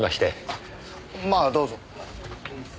まあどうぞ。